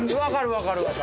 分かる分かる。